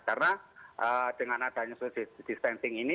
karena dengan adanya social dispensing ini